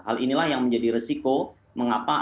hal inilah yang menjadi resiko mengapa